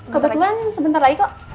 kebetulan sebentar lagi kok